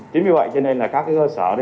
chính vì vậy cho nên là các cơ sở